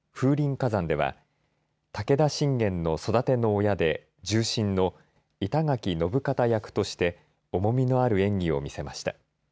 火山では武田信玄の育ての親で重臣の板垣信方役として重みのある演技を見せました。